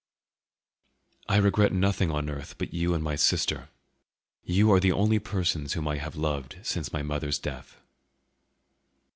"I regret nothing on earth but you and my sister. You are the only persons whom I have loved since my mother's death."